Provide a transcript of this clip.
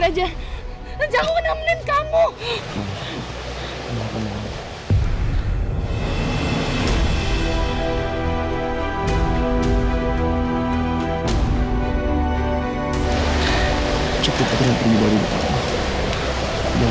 anda sudah lagi anaknya cool reckon saja